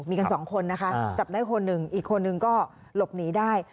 มีกันสองคนนะคะจับได้คนหนึ่งอีกคนนึงก็หลบหนีได้